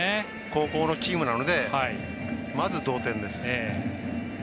後攻のチームなのでまず同点です。